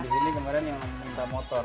di sini kemarin yang minta motor